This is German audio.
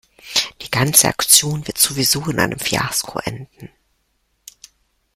Die ganze Aktion wird sowieso in einem Fiasko enden.